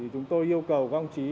chúng tôi yêu cầu các ông chí